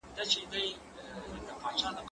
ايا ته خواړه ورکوې،